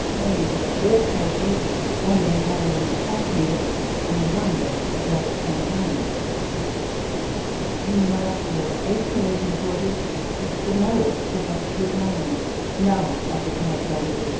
Corney took up their stations, Wando Vale and Cashmere, on the Wando, about the same time. In March or April 1840, Mr. Norris took up Koot Narin (now occupied by Messrs.